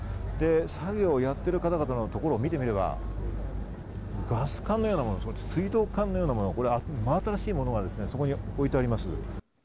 作業をやっている方々のところを見てみればガス管のようなもの、水道管のようなもの、真新しいものが置いてあります。